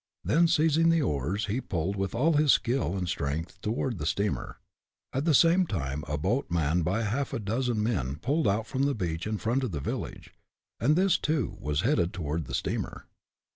Then, seizing the oars, he pulled with all his skill and strength toward the steamer. At the same time, a boat manned by half a dozen men, pulled out from the beach in front of the village, and this, too, was headed toward the steamer.